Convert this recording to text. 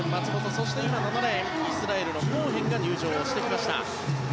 そして今、７レーンイスラエルのコーヘンが登場してきました。